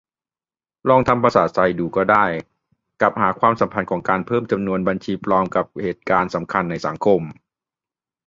อาจลองทำภาษาไทยดูก็ได้ กับหาความสัมพันธ์ของการเพิ่มจำนวนบัญชีปลอมกับเหตุการณ์สำคัญในสังคม ?